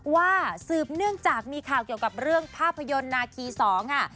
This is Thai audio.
สืบเนื่องจากมีข่าวเกี่ยวกับเรื่องภาพยนตร์นาคี๒ค่ะ